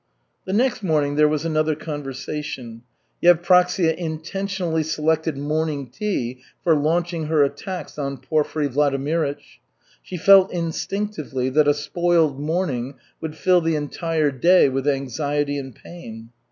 The next morning there was another conversation. Yevpraksia intentionally selected morning tea for launching her attacks on Porfiry Vladimirych. She felt instinctively that a spoiled morning would fill the entire day with anxiety and pain.